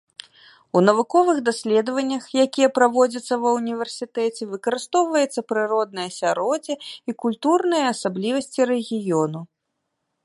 У навуковых даследаваннях, якія праводзяцца ва ўніверсітэце, выкарыстоўваецца прыроднае асяроддзе і культурныя асаблівасці рэгіёну.